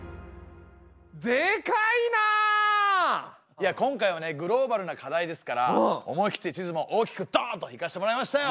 いや今回はねグローバルな課題ですから思い切って地図も大きくドンといかしてもらいましたよ。